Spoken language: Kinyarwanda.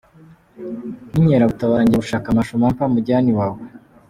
Nk’inkeragutabara ngiye gushakisha Masho Mampa mujyane Iwawa”.